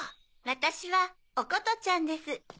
わたしはおことちゃんです。